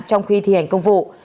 trong khi thi hành công vụ